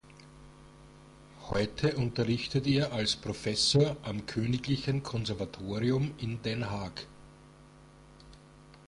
Heute unterrichtet er als Professor am Königlichen Konservatorium in Den Haag.